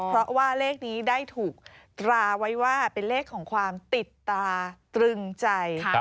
เพราะว่าเลขนี้ได้ถูกตราไว้ว่าเป็นเลขของความติดตาตรึงใจ